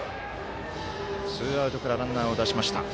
ツーアウトからランナーを出しました。